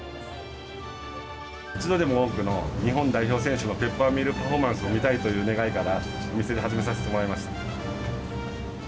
一度でも多くの日本代表選手のペッパーミルパフォーマンスを見たいという願いから、お店で始めさせてもらいました。